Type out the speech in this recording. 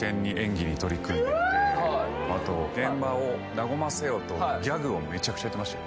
あと現場を和ませようとギャグをめちゃくちゃ言ってましたよ